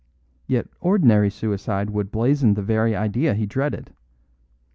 Yet ordinary suicide would blazon the very idea he dreaded.